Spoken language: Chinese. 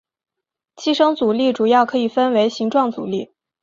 寄生阻力主要可以分为形状阻力。